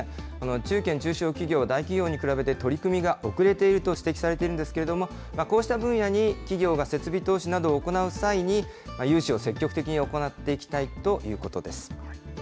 中堅・中小企業は、大企業に比べて、取り組みが遅れていると指摘されているんですけれども、こうした分野に、企業が設備投資などを行う際に、融資を積極的に行っていきたいということです。